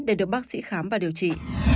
để được bác sĩ khám và điều trị